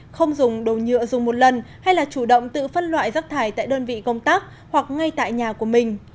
không dùng đồ nhựa dùng một lần hay là chủ động tự phân loại rắc thải tại đơn vị công tác hoặc ngay tại nhà của mình